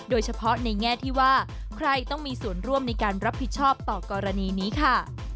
โดยเฉพาะในแง่ที่ว่าใครต้องมีส่วนร่วมในการรับผิดชอบต่อกรณีนี้ค่ะ